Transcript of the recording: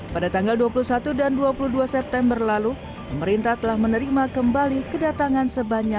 pada tanggal dua puluh satu dan dua puluh dua september lalu pemerintah telah menerima kembali kedatangan sebanyak